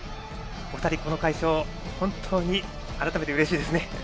お二人、この快勝本当に改めてうれしいですね。